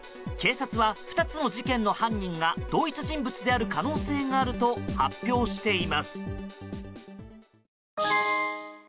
警察は２つの事件の犯人が同一人物である可能性があると発表しています。